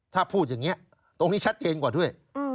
ถ้าพูดอย่างนี้ตรงนี้ชัดเจนกว่าด้วย